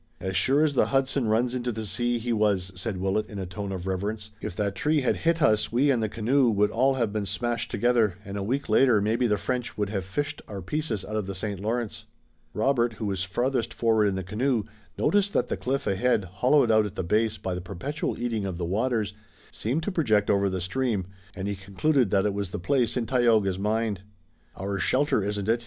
"As sure as the Hudson runs into the sea, he was," said Willet in a tone of reverence. "If that tree had hit us we and the canoe would all have been smashed together and a week later maybe the French would have fished our pieces out of the St. Lawrence." Robert, who was farthest forward in the canoe, noticed that the cliff ahead, hollowed out at the base by the perpetual eating of the waters, seemed to project over the stream, and he concluded that it was the place in Tayoga's mind. "Our shelter, isn't it?"